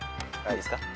いいですか？